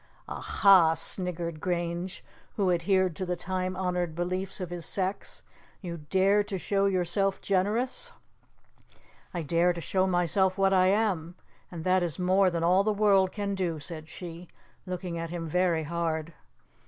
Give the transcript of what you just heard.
"Aha!" sniggered Grange, who adhered to the time honoured beliefs of his sex, "you dare to show yourself generous!" "I dare to show myself what I am, and that is more than all the world can do," said she, looking at him very hard.